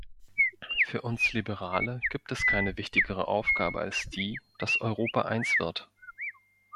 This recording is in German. Für uns Liberale gibt es keine wichtigere Aufgabe als die, dass Europa eins wird.